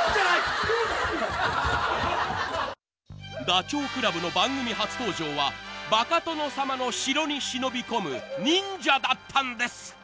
［ダチョウ倶楽部の番組初登場はバカ殿様の城に忍び込む忍者だったんです］